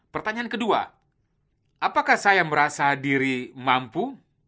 pertanyaan kedua apakah saya merasa diri mampu